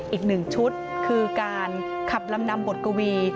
อีกหนึ่งชุดคือการขับลำนำบทกวี